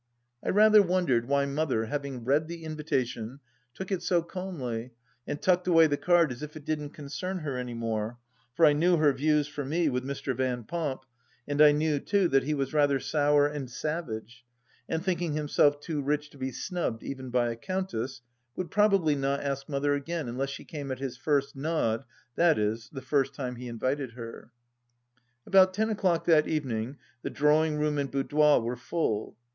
I rather wondered why Mother, having read the invitation, took it so calmly and tucked away the card as if it didn't concern her any more, for I knew her views for me with Mr. Van Pomp, and I knew too that he was rather sour and savage, and thinking himself too rich to be snubbed even by a Countess, would probably not ask Mother again unless she came at his first nod, i.e. the first time he invited her. About ten o'clock that evening the drawing room and boudoir were full.